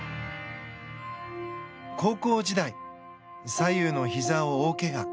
高校時代、左右のひざを大けが。